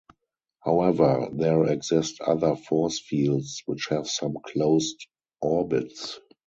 However, there exist other force fields, which have some closed orbits.